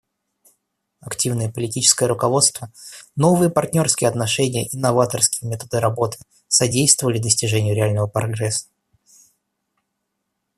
Активное политическое руководство, новые партнерские отношения и новаторские методы работы содействовали достижению реального прогресса.